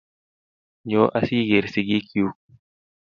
Nyoo asigeer sigiikuk